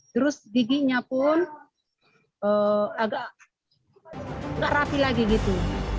terus giginya pun agak nggak rapi lagi gitu